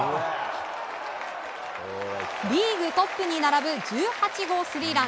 リーグトップに並ぶ１８号スリーラン。